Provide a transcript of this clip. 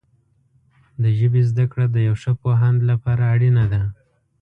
د ژبې زده کړه د یو ښه پوهاند لپاره اړینه ده.